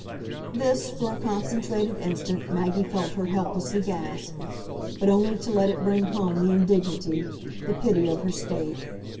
This, for a concentrated instant, Maggie felt her helplessly gasp but only to let it bring home the indignity, the pity of her state.